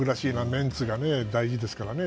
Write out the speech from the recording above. メンツが大事ですからね。